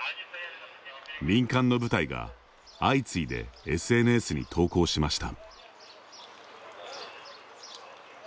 民間の部隊が相次いでＳＮＳに投稿しました。